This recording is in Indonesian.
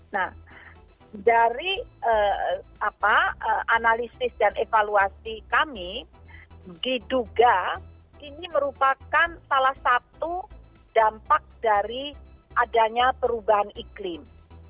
nah dari analisis dan evaluasi kami diduga ini merupakan salah satu dampak dari adanya perubahan iklim